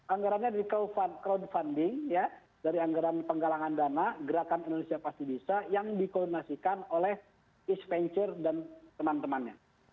anggarannya dari crowdfunding ya dari anggaran penggalangan dana gerakan indonesia pasti bisa yang dikoordinasikan oleh east venture dan teman temannya